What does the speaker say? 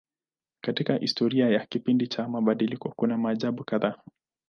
Katika historia ya kipindi cha mabadiliko kuna maajabu kadhaa.